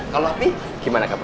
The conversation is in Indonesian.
kalau api gimana kabar